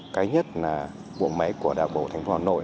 cái nhất là bộ máy của đảng bộ thành phố hà nội